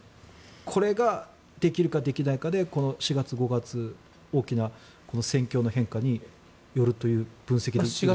これができるかできないかでこの４月、５月大きな戦況の変化によるということでしょうか。